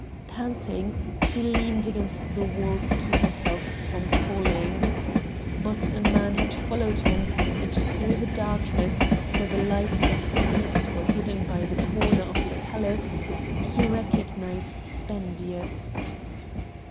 Panting, he leaned against the wall to keep himself from falling. But a man had followed him, and through the darkness, for the lights of the feast were hidden by the corner of the palace, he recognised Spendius.